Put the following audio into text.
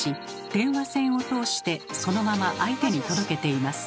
電話線を通してそのまま相手に届けています。